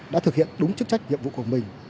đã thực hiện đúng chức trách nhiệm vụ của mình